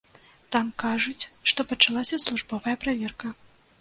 Там кажуць, што пачалася службовая праверка.